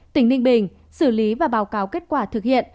tỉnh ninh bình xử lý và báo cáo kết quả thực hiện